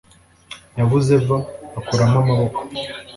Yavuze Eva akuramo amaboko